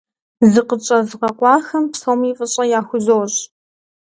Зыкъытщӏэзыгъэкъуахэм псоми фӀыщӀэ яхузощӀ.